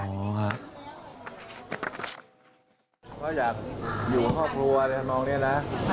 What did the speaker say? เธอไม่ได้คิดมาถึงวันนี้หรอก